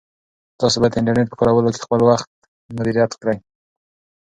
تاسو باید د انټرنیټ په کارولو کې خپل وخت مدیریت کړئ.